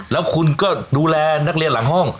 แล้วคุณก็ดูแลนักเรียนหลังห้อง